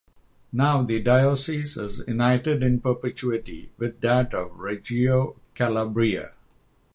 Now the diocese is united in perpetuity with that of Reggio Calabria.